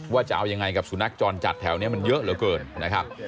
ว่าจะเอายังไงกับสุนัขจรจัดแถวนี้มันเยอะเหลือเกินนะครับ